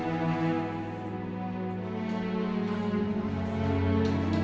diam biar enggak biar enggak